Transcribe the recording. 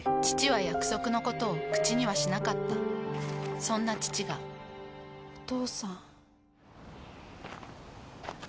父は約束のことを口にはしなかったそんな父がお父さん。